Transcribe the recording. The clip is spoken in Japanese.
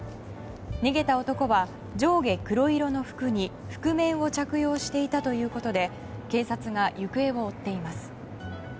逃げた男は、上下黒色の服に覆面を着用していたということで警察が行方を追っています。